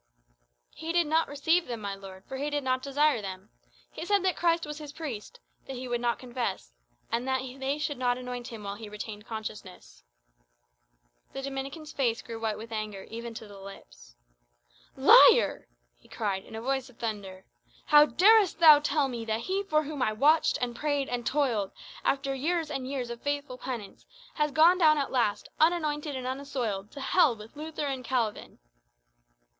"He did not receive them, my lord, for he did not desire them. He said that Christ was his priest; that he would not confess; and that they should not anoint him while he retained consciousness." The Dominican's face grew white with anger, even to the lips. "Liar!" he cried, in a voice of thunder. "How darest thou tell me that he for whom I watched, and prayed, and toiled, after years and years of faithful penance, has gone down at last, unanointed and unassoiled, to hell with Luther and Calvin?"